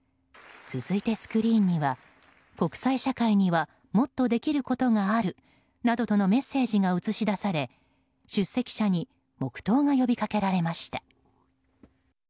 続いてスクリーンには国際社会にはもっとできることがあるなどとのメッセージが映し出され、出席者に黙祷が呼び掛けられました。